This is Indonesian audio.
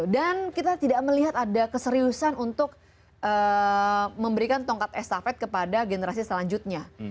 dan kita tidak melihat ada keseriusan untuk memberikan tongkat estafet kepada generasi selanjutnya